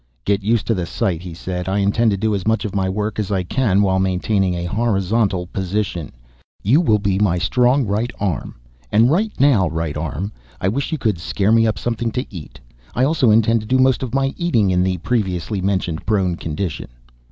"Get used to the sight," he said. "I intend to do as much of my work as I can, while maintaining a horizontal position. You will be my strong right arm. And right now, Right Arm, I wish you could scare me up something to eat. I also intend to do most of my eating in the previously mentioned prone condition."